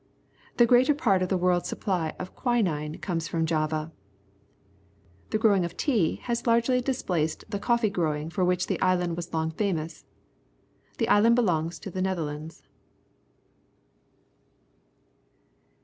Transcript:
The greater part of the world's supply of quinine comes from Java. The gro\\ ing of tea has largely displaced the coffee growdng for which the island was long famous. The island belongs to the Netherlands.